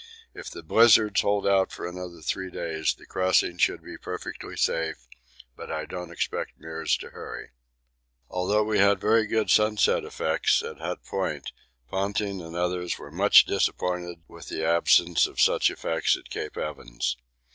If the blizzards hold off for another three days the crossing should be perfectly safe, but I don't expect Meares to hurry. Although we had very good sunset effects at Hut Point, Ponting and others were much disappointed with the absence of such effects at Cape Evans.